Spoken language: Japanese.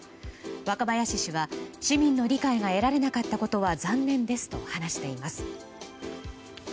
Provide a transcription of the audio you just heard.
若林氏は市民の理解が得られなかったことは残念ですと話しています。